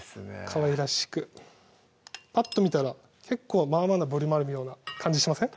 かわいらしくぱっと見たら結構まあまあなボリュームあるような感じしません？